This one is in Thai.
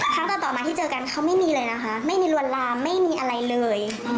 ครั้งต่อมาที่เจอกันเขาไม่มีเลยนะคะไม่มีลวนลามไม่มีอะไรเลย